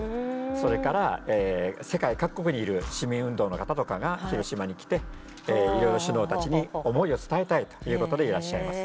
それから世界各国にいる市民運動の方とかが広島に来ていろいろ首脳たちに思いを伝えたいということでいらっしゃいます。